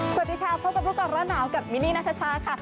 สวัสดีค่ะพบกับรู้ก่อนร้อนหนาวกับมินนี่นัทชาค่ะ